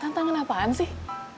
tantangan apaan sih